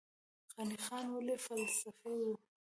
غني خان ولې فلسفي و؟